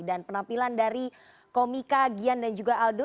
dan penampilan dari komika gian dan juga aldo